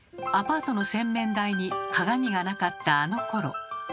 アパートの洗面台に鏡がなかったあのころ。